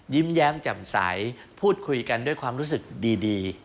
แย้มแจ่มใสพูดคุยกันด้วยความรู้สึกดี